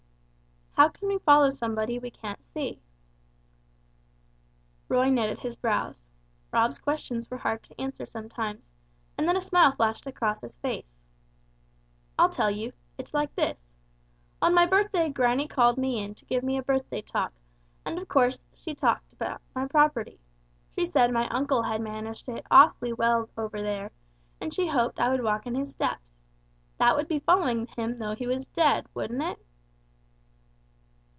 "How can we follow somebody we can't see?" Roy knitted his brows. Rob's questions were hard to answer sometimes, and then a smile flashed across his face. "I'll tell you. It's like this. On my birthday granny called me in to give me a birthday talk and, of course, she talked to me about my property. She said my uncle had managed it awfully well over there, and she hoped I would walk in his steps. That would be following him though he was dead, wouldn't it?"